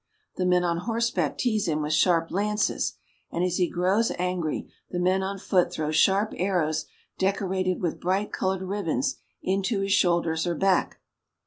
The men on horseback tease him with sharp lances, and as he grows angry the men on foot throw sharp arrows decorated with bright colored ribbons into his shoulders or back.